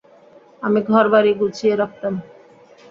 আমি ঘরবাড়ি গুছিয়ে রাখতাম।